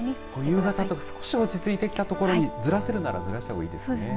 夕方とか少し落ち着いたときにずらせるならずらした方がいいですね。